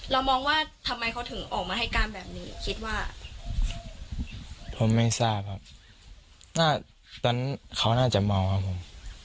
เรามองว่าทำไมเขาถึงออกมาให้การแบบนี้คิดว่าผมไม่ทราบครับตอนนั้นเขาน่าจะเมาครับผม